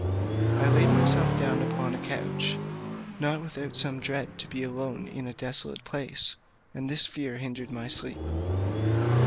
I laid myself down upon a couch, not without some dread to be alone in a desolate place; and this fear hindered my sleep.